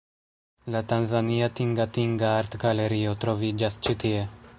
La tanzania Tingatinga Artgalerio troviĝas ĉi tie.